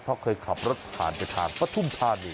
เพราะเคยขับรถผ่านไปทางปฐุมธานี